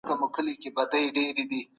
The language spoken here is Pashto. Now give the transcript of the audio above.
تاسي باید خپل سبقونه په ياد کړئ.